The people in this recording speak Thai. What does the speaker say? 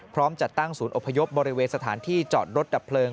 จัดตั้งศูนย์อพยพบริเวณสถานที่จอดรถดับเพลิง